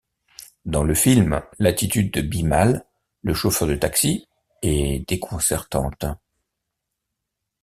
Dans le film, l'attitude de Bimal, le chauffeur de taxi, est déconcertante.